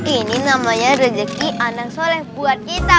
ini namanya rezeki anang soleh buat kita